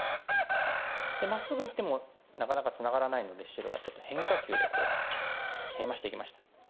まっすぐいってもなかなかツナがらないので白はちょっと変化球でケイマしていきました。